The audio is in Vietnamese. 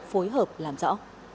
phối hợp làm rõ